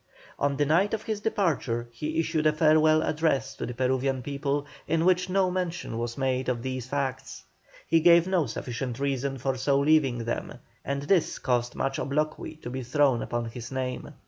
On the night of his departure he issued a farewell address to the Peruvian people, in which no mention was made of these facts. He gave no sufficient reason for so leaving them, and this caused much obloquy to be thrown upon his name.